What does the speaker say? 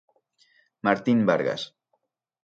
Martín Vargas.